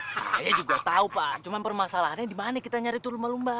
saya juga tau pak cuman permasalahannya dimana kita nyari itu lumba lumba